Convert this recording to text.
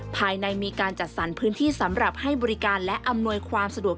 มีการจัดสรรพื้นที่สำหรับให้บริการและอำนวยความสะดวก